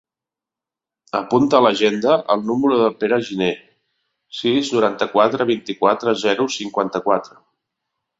Apunta a l'agenda el número del Pere Gine: sis, noranta-quatre, vint-i-quatre, zero, cinquanta-quatre.